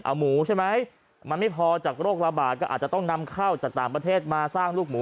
เอาหมูใช่ไหมมันไม่พอจากโรคระบาดก็อาจจะต้องนำเข้าจากต่างประเทศมาสร้างลูกหมู